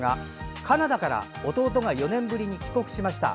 カナダから弟が４年ぶりに帰国しました。